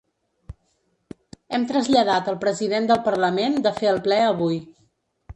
Hem traslladat al president del parlament de fer el ple avui.